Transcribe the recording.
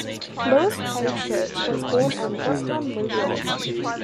Louis K. Church was born in Brooklyn, New York.